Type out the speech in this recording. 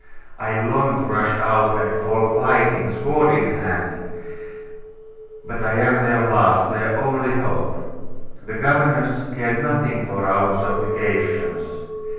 I long to rush out, and fall fighting, sword in hand: but I am their last, their only hope. The governors care nothing for our supplications.